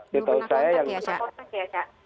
belum pernah kontak ya pak